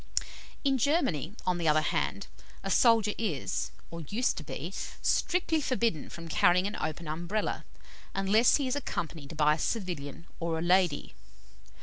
In Germany, on the other hand, a soldier is or used to be strictly forbidden from carrying an open Umbrella, unless he is accompanied by a civilian or a lady.